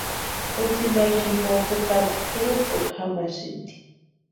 Kutsï mayuni jimpo jukati tʼurupuri jamasïnti.